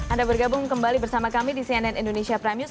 anda bergabung kembali bersama kami di cnn indonesia prime news